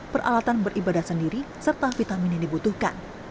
peralatan beribadah sendiri serta vitamin yang dibutuhkan